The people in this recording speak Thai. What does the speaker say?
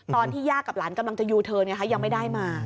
ย่ากับหลานกำลังจะยูเทิร์นยังไม่ได้มา